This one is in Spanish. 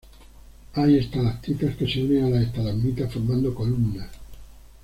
Hay estalactitas que se unen a las estalagmitas formando columnas.